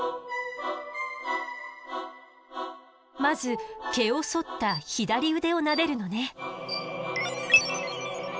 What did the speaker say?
まず毛をそった左腕をなでるのね。